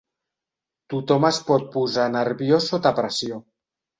Tothom es pot posar nerviós sota pressió.